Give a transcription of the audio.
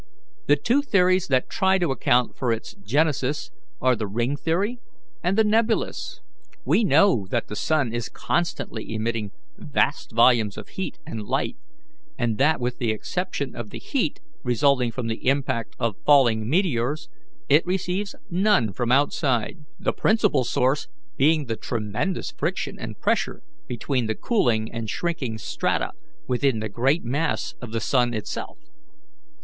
The two theories that try to account for its genesis are the ring theory and the nebulous. We know that the sun is constantly emitting vast volumes of heat and light, and that, with the exception of the heat resulting from the impact of falling meteors, it receives none from outside, the principal source being the tremendous friction and pressure between the cooling and shrinking strata within the great mass of the sun itself.